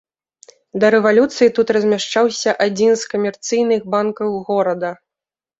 Да рэвалюцыі тут размяшчаўся адзін з камерцыйных банкаў горада.